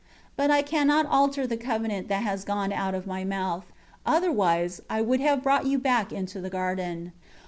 14 But I cannot alter the covenant that has gone out of My mouth; otherwise I would have brought you back into the garden.